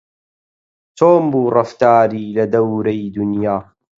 چۆن بوو ڕەفتاری لە دەورەی دونیا